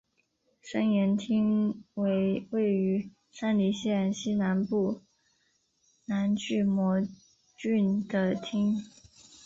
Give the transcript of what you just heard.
身延町为位于山梨县西南部南巨摩郡的町。